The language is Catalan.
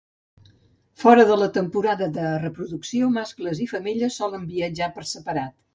Fora de la temporada de reproducció, mascles i femelles solen viatjar per separat.